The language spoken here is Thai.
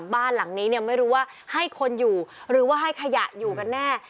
บ้านหลังนี้เนี่ยไม่รู้ว่าให้คนอยู่หรือว่าให้ขยะอยู่กันแน่